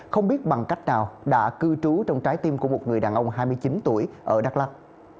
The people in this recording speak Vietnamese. không biết bằng cách nào đã cư trú trong trái tim của một người đàn ông hai mươi chín tuổi ở đắk lắc